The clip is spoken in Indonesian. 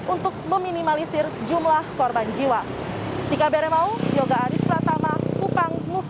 untuk meminimalisir jumlah korban jiwa